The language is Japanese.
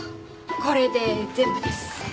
これで全部です。